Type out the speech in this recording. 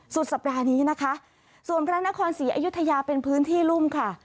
สุดสัปดาห์นี้นะคะส่วนพระนครศรีอยุธยาเป็นพื้นที่รุ่มค่ะ